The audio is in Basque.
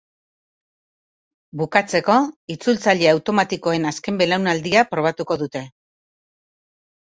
Bukatzeko, itzultzaile automatikoen azken belaunaldia probatuko dute.